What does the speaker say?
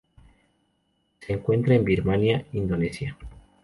Se encuentra Birmania, Indonesia.